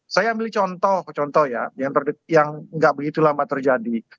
saya ambil contoh contoh ya yang nggak begitu lama terjadi